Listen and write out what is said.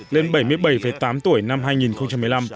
lên bảy mươi bảy tám tuổi năm hai nghìn một mươi năm